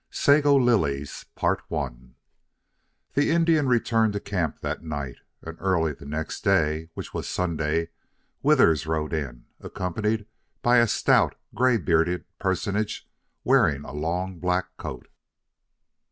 SAGO LILIES The Indian returned to camp that night, and early the next day, which was Sunday, Withers rode in, accompanied by a stout, gray bearded personage wearing a long black coat.